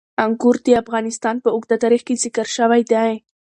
انګور د افغانستان په اوږده تاریخ کې ذکر شوی دی.